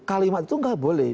kalimat itu nggak boleh